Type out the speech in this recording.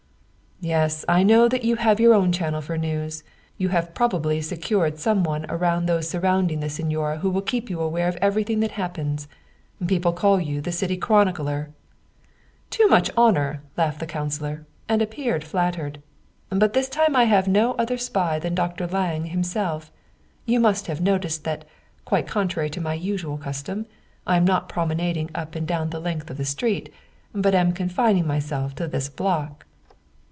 " Yes, I know that you have your own channel for news. You have probably secured some one among those sur rounding the signora who will keep you aware of every thing that happens. People call you the city chronicler." " Too much honor," laughed the councilor, and appeared flattered. " But this time I have no other spy than Dr. Lange himself. You must have noticed that, quite con trary to my usual custom, I am not promenading up and down the length of the street, but am confining myself to this block."